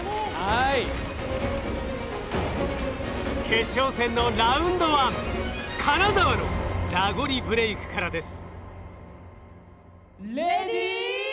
決勝戦のラウンド１金沢のラゴリブレイクからです。